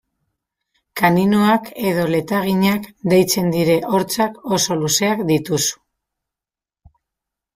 Kaninoak edo letaginak deitzen diren hortzak oso luzeak dituzu.